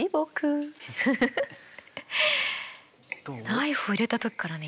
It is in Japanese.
ナイフ入れた時からね